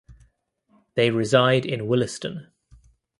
They reside in Williston.